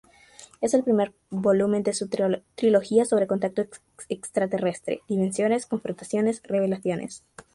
Es el primer volumen de su trilogía sobre contacto extraterrestre: "Dimensiones", "Confrontaciones", "Revelaciones".